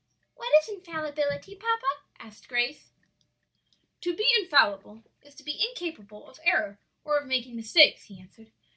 "What is infallibility, papa?" asked Grace. "To be infallible is to be incapable of error or of making mistakes," he answered.